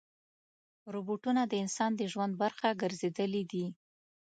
روبوټونه د انسان د ژوند برخه ګرځېدلي دي.